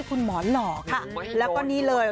คุณหมอหล่อค่ะแล้วก็นี่เลย